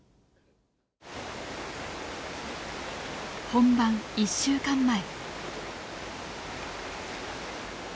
本番１週間前。